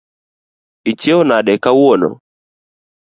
Ichiew nade kawuono.